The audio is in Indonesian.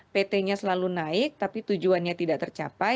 pt nya selalu naik tapi tujuannya tidak tercapai